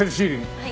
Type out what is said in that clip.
はい。